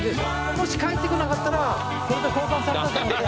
もし帰ってこなかったらこれと交換されたと思って。